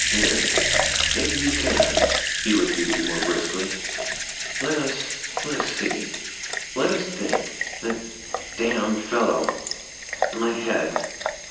'Yes, maybe you can,' he repeated more briskly. 'Let us let us see let us think that d fellow! my head!'